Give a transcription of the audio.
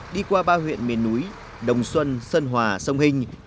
đi qua ba huyện miền núi đồng xuân sơn hòa sông hình